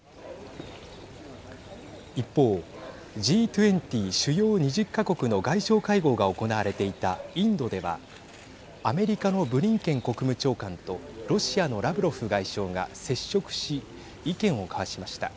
一方、Ｇ２０＝主要２０か国の外相会合が行われていたインドではアメリカのブリンケン国務長官とロシアのラブロフ外相が接触し意見を交わしました。